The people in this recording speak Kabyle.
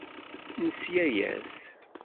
Nesla-as.